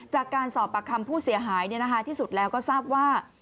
จากการสอบปากคำผู้เสียหายที่สุดแล้วก็ทราบว่า